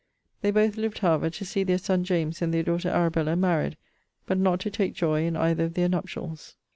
They both lived, however, to see their son James, and their daughter Arabella, married: but not to take joy in either of their nuptials.